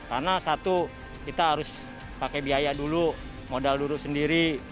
karena satu kita harus pakai biaya dulu modal dulu sendiri